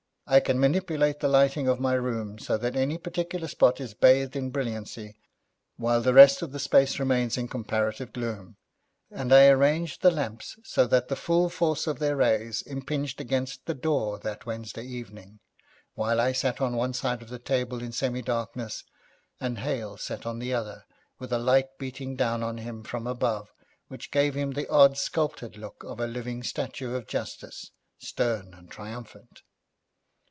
I can manipulate the lighting of my room so that any particular spot is bathed in brilliancy, while the rest of the space remains in comparative gloom, and I arranged the lamps so that the full force of their rays impinged against the door that Wednesday evening, while I sat on one side of the table in semi darkness and Hale sat on the other, with a light beating down on him from above which gave him the odd, sculptured look of a living statue of Justice, stern and triumphant.